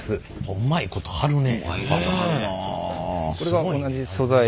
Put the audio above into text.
うまいこと貼るな。